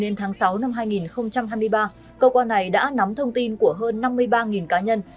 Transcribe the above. năm hai nghìn sáu hai nghìn hai mươi ba cơ quan này đã nắm thông tin của hơn năm mươi ba cá nhân